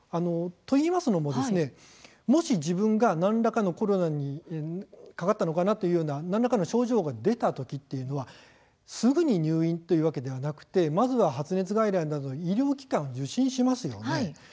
といいますのももし自分が何らかのコロナにかかったのかなというような症状が出たときというのはすぐに入院というわけではなくてまずは発熱外来などの医療機関を受診しますよね。